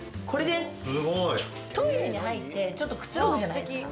トイレに入って、ちょっとくつろぐじゃないですか。